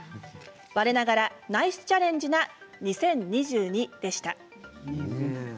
われながらナイスチャレンジな２０２２でした。